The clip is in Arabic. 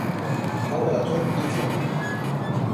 حاول توم قتلنا!